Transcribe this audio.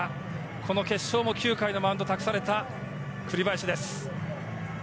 この決勝も９回のマウンドを託された栗林です。